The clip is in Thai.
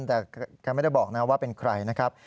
แต่แกไม่ได้บอกนะว่าเป็นใครนะครับ